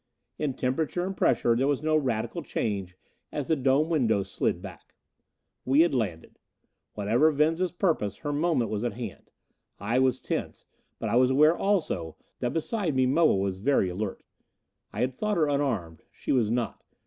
In temperature and pressure there was no radical change as the dome windows slid back. We had landed. Whatever Venza's purpose, her moment was at hand. I was tense. But I was aware also, that beside me Moa was very alert. I had thought her unarmed. She was not.